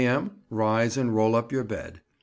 M. Rise, and roll up your bed. 6.